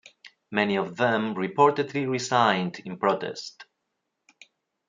Many of them reportedly resigned in protest.